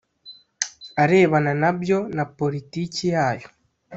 arebana na byo na politiki yayo